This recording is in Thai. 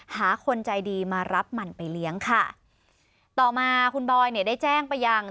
หาคนใจดีมารับมันไปเลี้ยงค่ะต่อมาคุณบอยเนี่ยได้แจ้งไปยัง